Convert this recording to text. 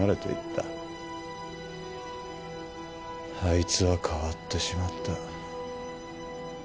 あいつは変わってしまった。